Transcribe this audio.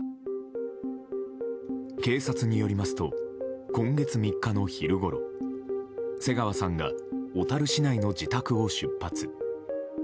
警察によりますと今月３日の昼ごろ瀬川さんが小樽市内の自宅を出発。